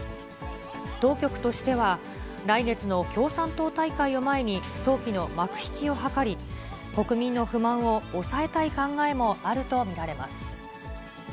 当局としては、来月の共産党大会を前に、早期の幕引きを図り、国民の不満を抑えたい考えもあると見られます。